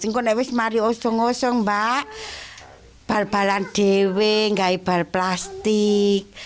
ketika saya melukis melukis saya melukis bal balan bal balan plastik